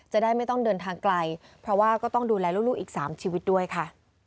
จะได้ไม่ต้องเดินทางไกลเพราะว่าก็ต้องดูแลลูกอีก๓ชีวิตด้วยค่ะ